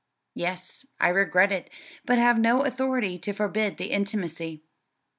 "Yes, I regret it, but have no authority to forbid the intimacy."